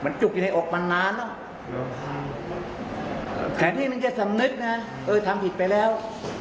นี่มันจะสำนึกนะเออทำผิดไปแล้ว